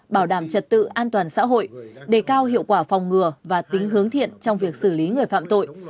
bảo đảm trật tự an toàn xã hội đề cao hiệu quả phòng ngừa và tính hướng thiện trong việc xử lý người phạm tội